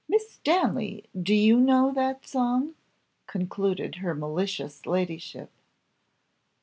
"Miss Stanley, do you know that song?" concluded her malicious ladyship.